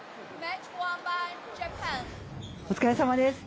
お疲れさまです